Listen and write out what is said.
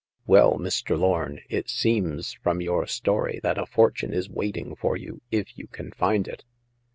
Well, Mr. Lorn, it seems from your story that a fortune is waiting for you, if you can find it."